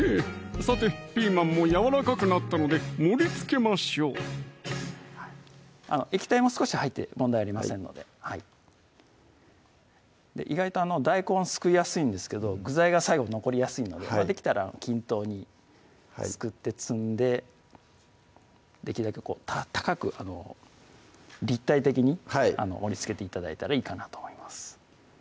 さてピーマンもやわらかくなったので盛りつけましょう液体も少し入って問題ありませんので意外と大根はすくいやすいんですけど具材が最後残りやすいのでできたら均等にすくって積んでできるだけ高く立体的に盛りつけて頂いたらいいかなと思います